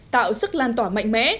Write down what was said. tạo sức lan tỏa mạnh mẽ